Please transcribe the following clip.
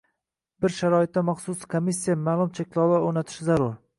Bir sharoitda maxsus komissiya maʼlum cheklovlar oʻrnatishi zarur.